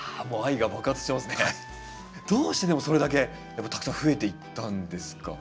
どうしてでもそれだけたくさん増えていったんですか？